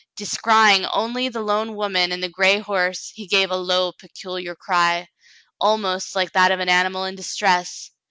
Descrying only the lone woman and the gray horse, he gave a low peculiar cry, almost like that of an animal in distress.